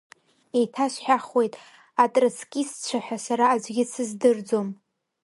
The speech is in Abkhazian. Еиҭасҳәахуеит, атроцкистцәа ҳәа сара аӡәгьы дсыздырӡом.